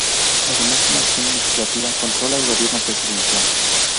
Además de la acción legislativa controla al gobierno presidencial.